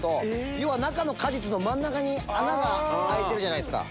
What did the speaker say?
要は中の果実の真ん中に穴が開いてるじゃないですか。